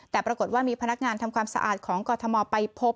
แต่ปรากฏว่ามีพนักงานทำความสะอาดของกรทมไปพบ